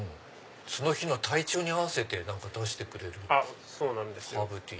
その日の体調に合わせて出してくれるハーブティー。